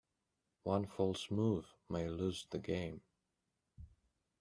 One false move may lose the game.